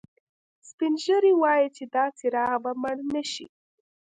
سپین ږیری وایي چې دا څراغ به مړ نه شي